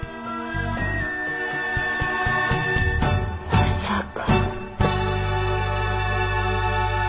まさか。